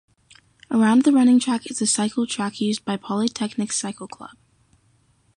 Around the running track is a cycle track used by Polytechnic Cycle Club.